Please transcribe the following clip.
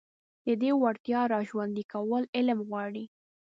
د دې وړتيا راژوندي کول علم غواړي.